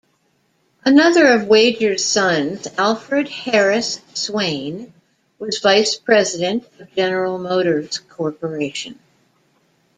Another of Wager's sons, Alfred Harris Swayne, was vice president of General Motors Corporation.